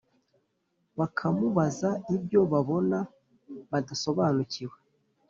bakamubaza ibyo babona badasobanukiwe